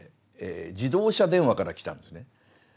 自動車電話から来たんですね。